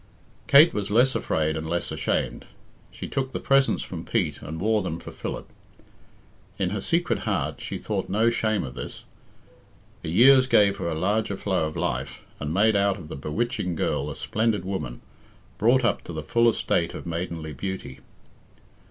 Kate was less afraid and less ashamed. She took the presents from Pete and wore them for Philip. In her secret heart she thought no shame of this. The years gave her a larger flow of life, and made out of the bewitching girl a splendid woman, brought up to the full estate of maidenly beauty.